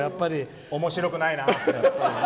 おもしろくないな。